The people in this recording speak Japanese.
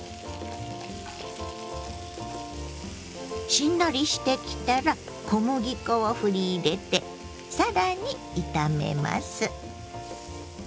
しんなりしてきたら小麦粉をふり入れて更に炒めます。